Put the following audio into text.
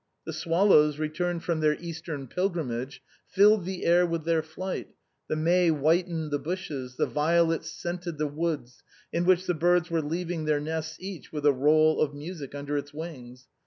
The swallows, returned from their Eastern pil grimage, filled the air with their flight, the may whitened the bushes, the violets scented the woods, in which the birds were leaving their nests each with a roll of music under its wings.